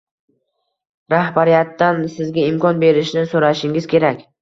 rahbariyatdan sizga imkon berishini so‘rashingiz kerak.